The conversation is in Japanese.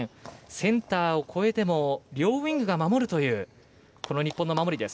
センターを越えても両ウイングが守るという日本の守りです。